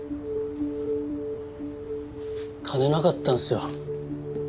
金なかったんですよ。